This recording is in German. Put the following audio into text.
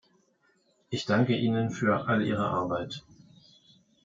Ich danke Ihnen für all Ihre Arbeit.